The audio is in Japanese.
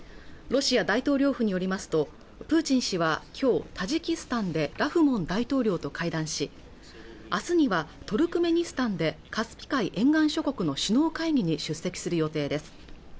ロシア大統領府によりますとプーチン氏はきょうタジキスタンでラフモン大統領と会談し明日にはトルクメニスタンでカスピ海沿岸諸国の首脳会議に出席する予定です